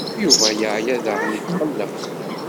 Yuba yeɛya daɣen yetqelleq.